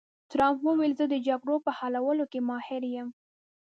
ټرمپ وویل، زه د جګړو په حلولو کې ماهر یم.